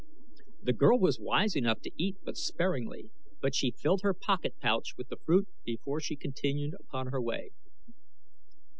The girl was wise enough to eat but sparingly, but she filled her pocket pouch with the fruit before she continued upon her way.